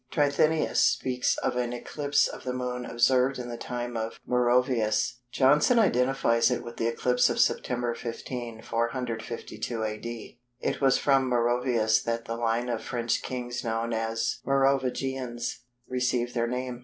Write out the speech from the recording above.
Trithenius speaks of an eclipse of the Moon observed in the time of Merovæus. Johnson identifies it with the eclipse of Sept. 15, 452 A.D. It was from Merovæus that the line of French kings known as Merovingians received their name.